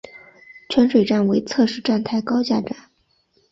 泉水站为侧式站台高架站。